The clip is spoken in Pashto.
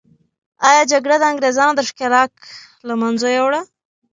آیا جګړه د انګریزانو دښکیلاک له منځه یوړه؟